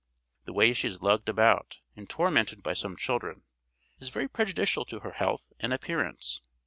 The way she is lugged about, and tormented by some children, is very prejudicial to her health and appearance.